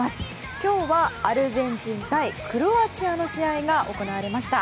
今日はアルゼンチン対クロアチアの試合が行われました。